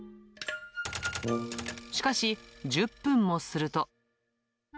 しかし１０分もすると。